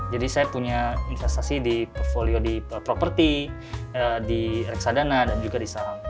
jadi saya punya investasi di portfolio di properti di reksadana dan juga di saham